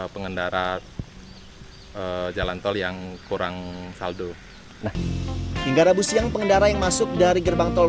pengendara jalan tol yang kurang saldo hingga rabu siang pengendara yang masuk dari gerbang tol